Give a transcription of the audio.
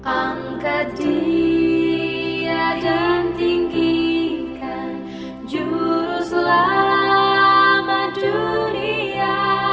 angkat dia dan tinggikan juru selamat dunia